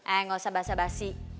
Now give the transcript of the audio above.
eh gak usah basah basi